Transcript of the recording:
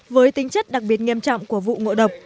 với tính chất đặc biệt nghiêm trọng của vụ ngộ độc